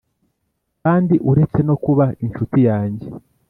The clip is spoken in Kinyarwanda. kandi uretse no kuba inshuti yanjye